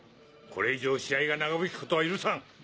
これ以上試合が長引くことは許さん。